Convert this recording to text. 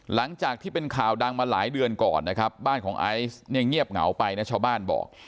หลังจากที่เป็นข่าวดังมาหลายเดือนก่อนนะครับบ้านของไอซ์เนี่ยเงียบเหงาไปนะชาวบ้านบอก